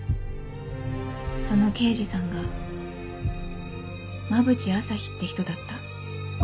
その刑事さんが馬淵朝陽って人だった。